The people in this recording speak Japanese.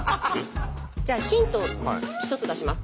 じゃあヒントを一つ出します。